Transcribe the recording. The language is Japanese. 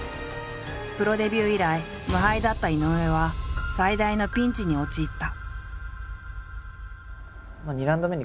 プロデビュー以来無敗だった井上は最大のピンチに陥った。